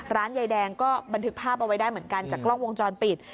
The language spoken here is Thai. ยายแดงก็บันทึกภาพเอาไว้ได้เหมือนกันจากกล้องวงจรปิด